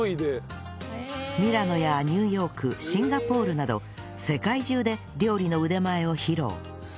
ミラノやニューヨークシンガポールなど世界中で料理の腕前を披露